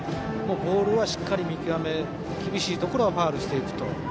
ボールはしっかり見極め厳しいところはファウルしていくと。